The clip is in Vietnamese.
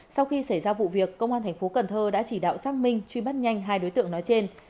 sau khi xảy ra vụ việc công an tp cần thơ đã chỉ đạo sang minh truy bắt nhanh hai đối tượng nói trên